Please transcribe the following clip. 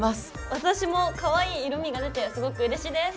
私もかわいい色みが出てすごくうれしいです！